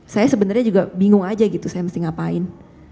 saya sebenarnya juga bingung aja gitu saya mesti ngapain